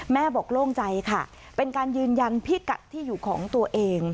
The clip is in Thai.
แม่บอกโล่งใจค่ะเป็นการยืนยันพิกัดที่อยู่ของตัวเอง